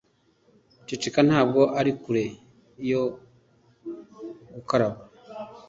Ceceka Ntabwo ari kure yo gukaraba